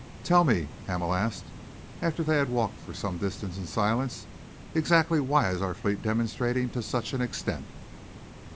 "Tell me," Hamel asked, after they had walked for some distance in silence, "exactly why is our fleet demonstrating to such an extent?"